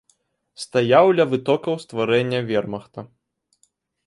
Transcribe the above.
Стаяў ля вытокаў стварэння вермахта.